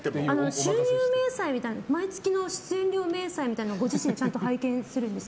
収入明細みたいな毎月の出演明細みたいなのご自身でちゃんと拝見するんですか？